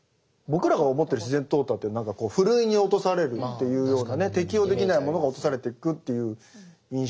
僕らが思ってる自然淘汰って何かふるいに落とされるっていうようなね適応できないものが落とされていくという印象なんですけど。